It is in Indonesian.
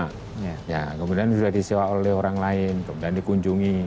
kemudian sudah disewa oleh orang lain kemudian dikunjungi